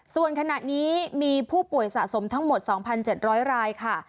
ส่วนขณะนี้มีผู้ป่วยสะสมทั้งหมด๒๗๐๐รายค่ะ